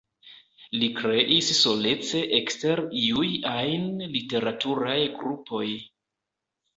Li kreis solece ekster iuj ajn literaturaj grupoj.